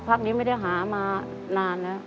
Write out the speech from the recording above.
พักนี้ไม่ได้หามานานแล้ว